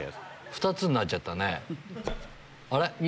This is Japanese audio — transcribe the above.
３つになっちゃったよ。